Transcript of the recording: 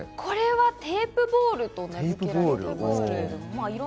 テープボールと言われています。